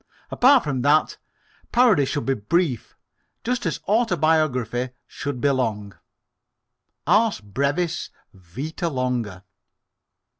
Apart from that, parody should be brief, just as autobiography should be long ars brevis, vita longa.